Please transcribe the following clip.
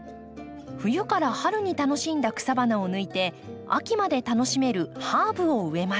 冬から春に楽しんだ草花を抜いて秋まで楽しめるハーブを植えます。